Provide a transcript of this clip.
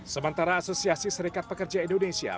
sementara asosiasi serikat pekerja indonesia